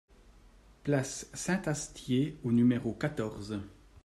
Place Saint-Astier au numéro quatorze